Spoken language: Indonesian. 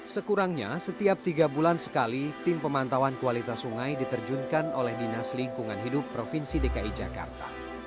sekurangnya setiap tiga bulan sekali tim pemantauan kualitas sungai diterjunkan oleh dinas lingkungan hidup provinsi dki jakarta